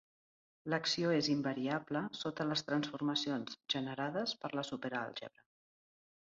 L'acció és invariable sota les transformacions generades per la superàlgebra.